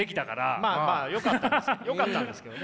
まあまあよかったんですけどね。